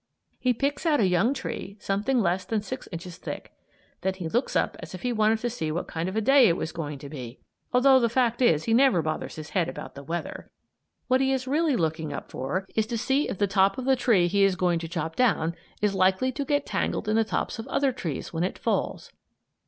He picks out a young tree something less than six inches thick. Then he looks up as if he wanted to see what kind of a day it was going to be; although the fact is he never bothers his head about the weather. What he is really looking up for is to see if the top of the tree he is going to chop down is likely to get tangled in the tops of other trees when it falls.